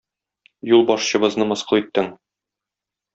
Юлбашчыбызны мыскыл иттең!